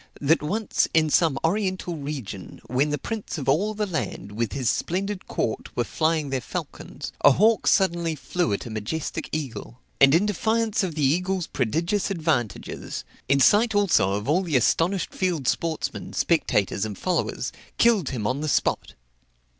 that once, in some oriental region, when the prince of all the land, with his splendid court, were flying their falcons, a hawk suddenly flew at a majestic eagle; and in defiance of the eagle's prodigious advantages, in sight also of all the astonished field sportsmen, spectators, and followers, killed him on the spot.